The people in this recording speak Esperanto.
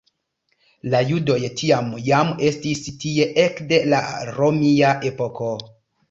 La judoj tiam jam estis tie ekde la romia epoko.